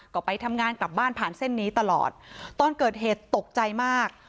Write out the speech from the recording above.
ก็ไปทำงานกลับบ้านผ่านเส้นนี้ตลอดตอนเกิดเหตุตกใจมาก